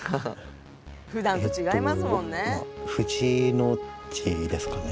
ふだんと違いますもんね。